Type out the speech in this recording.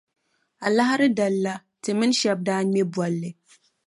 Alahiri dali la, ti mini shɛba daa ŋme bolli.